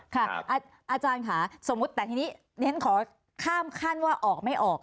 อาจารย์ค่ะสมมุติแต่ทีนี้เรียนขอข้ามขั้นว่าออกไม่ออก